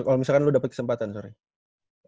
kalo misalkan lu dapet kesempatan sorry